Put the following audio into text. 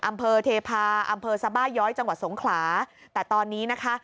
อำเภอเทพาอำเภอสบาย้อยจังหวัดสงขลาแต่ตอนนี้นะคะ